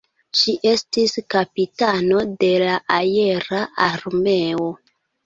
Ŝi estis kapitano de la aera armeo.